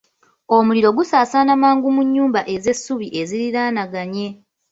Omuliro gusaasaana mangu mu nnyumba ez'essubi eziriraanaganye.